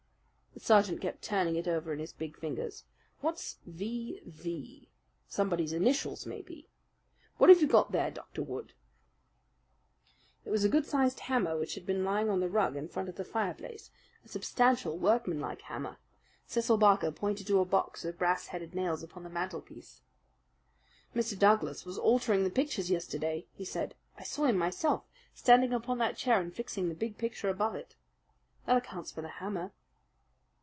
The sergeant kept turning it over in his big fingers. "What's V.V.? Somebody's initials, maybe. What have you got there, Dr. Wood?" It was a good sized hammer which had been lying on the rug in front of the fireplace a substantial, workmanlike hammer. Cecil Barker pointed to a box of brass headed nails upon the mantelpiece. "Mr. Douglas was altering the pictures yesterday," he said. "I saw him myself, standing upon that chair and fixing the big picture above it. That accounts for the hammer."